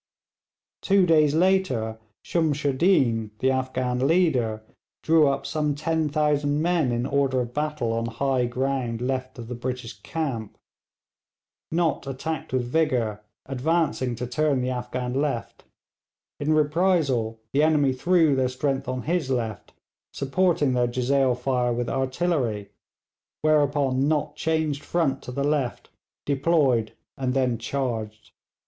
Two days later Shumshoodeen, the Afghan leader, drew up some 10,000 men in order of battle on high ground left of the British camp. Nott attacked with vigour, advancing to turn the Afghan left. In reprisal the enemy threw their strength on his left, supporting their jezail fire with artillery, whereupon Nott changed front to the left, deployed, and then charged.